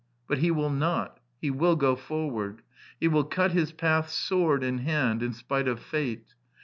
But he will not : he will go forward: he will cut his path sword in hand, in spite of fate.